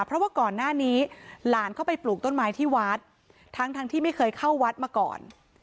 เพราะว่าก่อนหน้านี้หลานเข้าไปปลูกต้นไม้ที่วัดทั้งทั้งที่ไม่เคยเข้าวัดมาก่อน